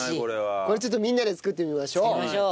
これちょっとみんなで作ってみましょう。